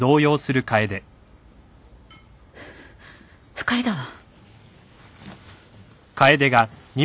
不快だわ。